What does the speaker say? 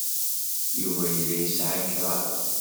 Yuba yella yesɛa kraḍ.